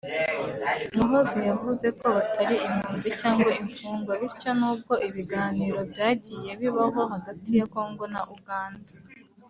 Muhoozi yavuze ko batari impunzi cyangwa imfungwa bityo nubwo ibiganiro byagiye bibaho hagati ya Congo na Uganda